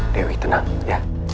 dewi tenang ya